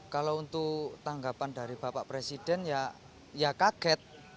kalau untuk tanggapan dari bapak presiden ya kaget